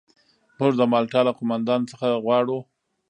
موږ د مالټا له قوماندان څخه غواړو.